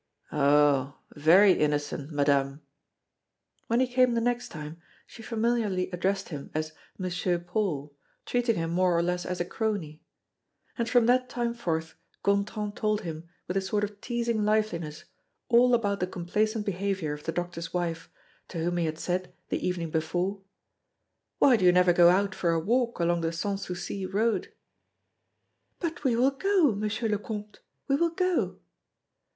"Oh! very innocent, Madame!" When he came the next time, she familiarly addressed him as "Monsieur Paul," treating him more or less as a crony. And from that time forth, Gontran told him, with a sort of teasing liveliness, all about the complaisant behavior of the doctor's wife, to whom he had said, the evening before: "Why do you never go out for a walk along the Sans Souci road?" "But we will go, M. le Comte we will go."